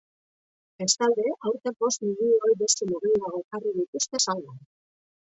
Bestalde, aurten bost milioi dezimo gehiago jarri dituzte salgai.